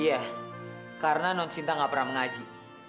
eh karena non sinta gak pernah mengaji